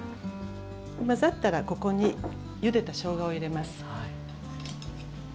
混ざったらここにゆでたしょうがを入れます。